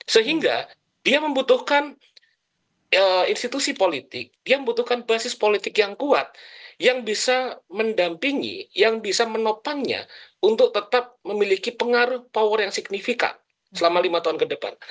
sehingga dia membutuhkan institusi politik dia membutuhkan basis politik yang kuat yang bisa mendampingi yang bisa menopangnya untuk tetap memiliki pengaruh power yang signifikan selama lima tahun ke depan